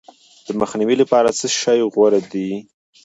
د مخنیوي لپاره څه شی غوره دي؟